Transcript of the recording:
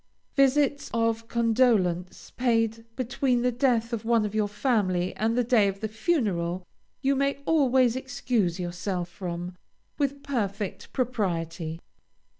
Visits of condolence, paid between the death of one of your family and the day of the funeral, you may always excuse yourself from, with perfect propriety.